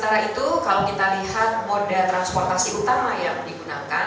dan itu kalau kita lihat moda transportasi utama yang digunakan